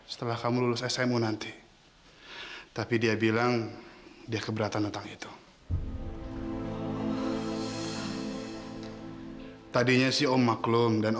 sampai jumpa di video selanjutnya